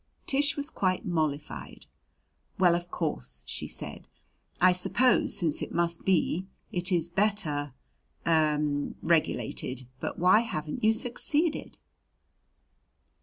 Tish was quite mollified. "Well, of course," she said, "I suppose since it must be, it is better er, regulated. But why haven't you succeeded?"